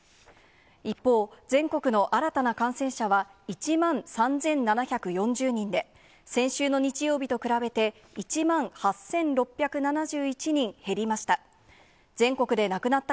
一方、全国の新たな感染者は１万３７４０人で、先週の日曜日と比べて１万８６７１人減りました。